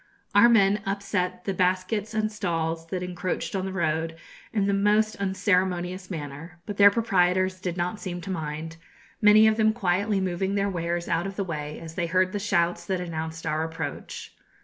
Our men upset the baskets and stalls that encroached on the road, in the most unceremonious manner; but their proprietors did not seem to mind, many of them quietly moving their wares out of the way as they heard the shouts that announced our approach.